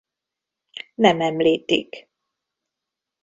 Nem említik.